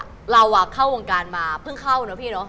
เราเข้าวงการมาเพิ่งเข้าเนอะพี่เนอะ